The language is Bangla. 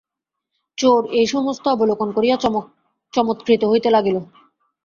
চোর এই সমস্ত অবলোকন করিয়া চমৎকৃত হইতে লাগিল।